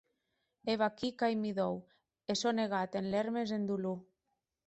E vaquí qu’amii dòu, e sò negat en lèrmes e en dolor.